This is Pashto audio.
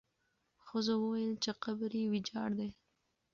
ښځو وویل چې قبر یې ویجاړ دی.